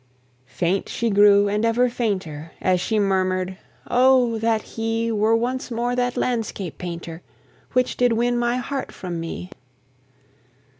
Faint she grew and ever fainter. As she murmur'd, "Oh, that he Were once more that landscape painter Which did win my heart from me!"